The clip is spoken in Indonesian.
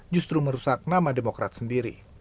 justru merusak nama demokrat sendiri